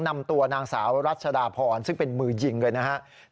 นำตัวนางสาวรัชดาพรซึ่งเป็นมือยิงเลยนะครับ